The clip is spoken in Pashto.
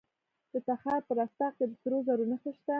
د تخار په رستاق کې د سرو زرو نښې شته.